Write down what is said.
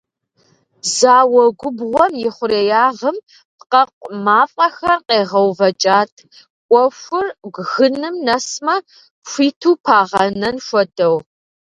Зауэ губгъуэм и хъуреягъым пкъэкъу мафӏэхэр къегъэувэкӏат, ӏуэхур гыным нэсмэ, хуиту пагъэнэн хуэдэу.